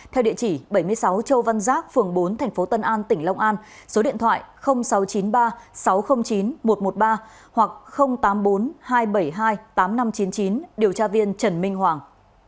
theo địa chỉ bảy mươi sáu châu văn giác phường bốn tp tân an tỉnh long an số điện thoại sáu trăm chín mươi ba sáu trăm linh chín một trăm một mươi ba hoặc tám mươi bốn hai trăm bảy mươi hai tám nghìn năm trăm chín mươi chín điều tra viên trần minh hoàng